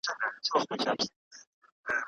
زموږ هېواد د سیمه ییزو سیاسي بحرانونو لامل نه دی.